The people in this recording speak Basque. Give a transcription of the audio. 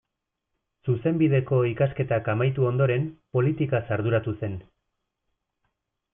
Zuzenbideko ikasketak amaitu ondoren, politikaz arduratu zen.